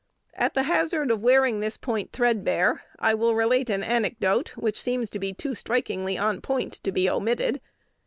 At the hazard of wearing this point threadbare, I will relate an anecdote which seems to be too strikingly in point to be omitted.